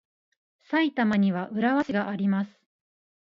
埼玉には浦和市があります。